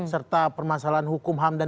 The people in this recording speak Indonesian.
serta permasalahan hukum hamdan